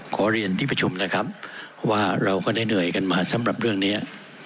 ขอเรียนที่ประชุมนะครับว่าเราก็ได้เหนื่อยกันมาสำหรับเรื่องนี้